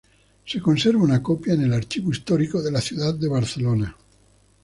Se conserva una copia en el Archivo Histórico de la Ciudad de Barcelona.